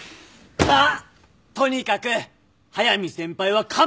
まあとにかく速見先輩は完璧なの！